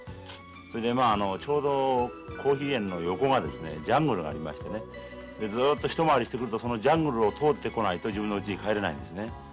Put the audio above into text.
それでまあちょうどコーヒー園の横がジャングルがありましてねずっと一回りしてくるとそのジャングルを通ってこないと自分のうちに帰れないんですね。